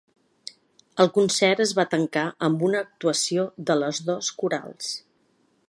El concert es va tancar amb una actuació de les dos corals.